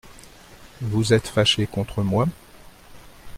Vous êtes fâché contre moi ?